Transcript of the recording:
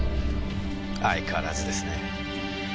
相変わらずですね。